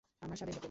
আমার সাধের হোটেল!